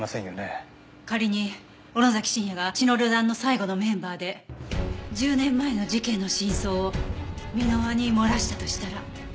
仮に尾野崎慎也が血の旅団の最後のメンバーで１０年前の事件の真相を箕輪に漏らしたとしたら。